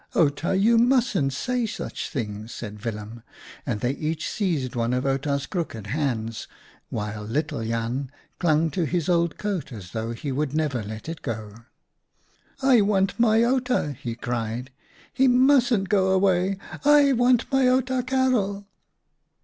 "Outa, you mustn't say such things," said Willem, and they each seized one of Outa's crooked hands, while little Jan clung to his old coat as though he would never let it go. " I want my Outa," he cried. "He mustn't go away. I want my Outa Karel